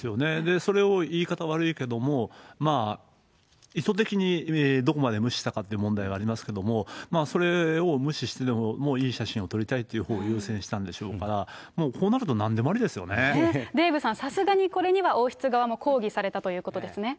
それを言い方悪いけども、意図的にどこまで無視したかという問題はありますけども、それを無視してでも、いい写真を撮りたいというほうを優先したんでしょうから、もうこデーブさん、さすがに、これには王室側も抗議されたということですね。